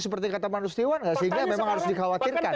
seperti kata pak nustiwan sehingga memang harus dikhawatirkan